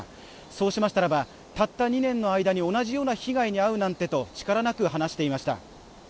そうしましたらばたった２年の間に同じような被害に遭うなんてと力なく話していました